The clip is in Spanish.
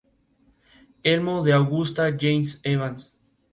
Elmo" de Augusta Jane Evans.